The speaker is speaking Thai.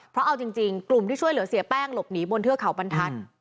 เพราะเอาจริงกลุ่มที่ช่วยเหลือเสียแป้งหลบหนีบนเทือกเขาบรรทัศน์